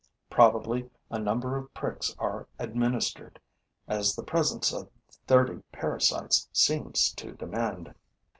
Probably, a number of pricks are administered, as the presence of thirty parasites seems to demand.